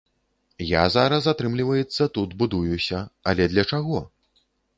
Я зараз, атрымліваецца, тут будуюся, але для чаго?